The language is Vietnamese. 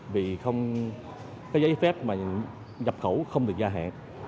vì không cái giấy phép mà nhập khẩu không được gia hạn